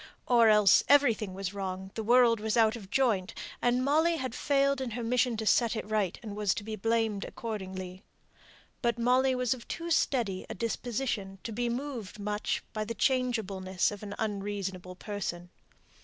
Or else everything was wrong, the world was out of joint, and Molly had failed in her mission to set it right, and was to be blamed accordingly. But Molly was of too steady a disposition to be much moved by the changeableness of an unreasonable person.